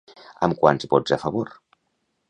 Amb quants vots a favor?